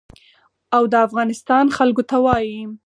او د افغانستان خلکو ته وايي.